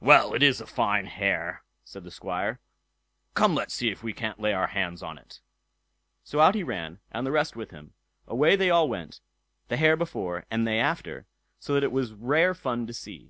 "Well, it is a fine hare", said the Squire; "come let's see if we can't lay our hands on it." So out he ran, and the rest with him—away they all went, the hare before, and they after; so that it was rare fun to see.